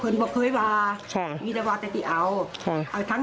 คืนป่าวให้ใช่มีแบบว่าแต่ครับ